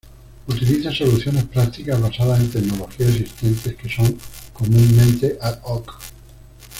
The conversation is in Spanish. Utiliza soluciones prácticas basadas en tecnologías existentes que son comúnmente "ad hoc".